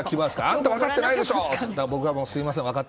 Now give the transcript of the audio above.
あんた、分かってないでしょって。